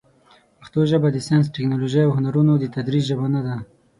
پښتو ژبه د ساینس، ټکنالوژۍ، او هنرونو د تدریس ژبه نه ده.